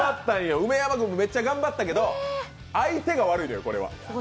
梅山君も頑張ったけど相手が悪いのよ、これは。